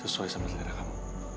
sesuai sama selera kamu